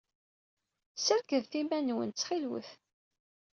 Serkdet iman-nwen, ttxil-wet.